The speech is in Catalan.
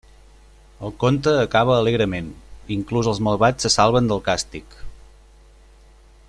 El conte acaba alegrement, inclús els malvats se salven del càstig.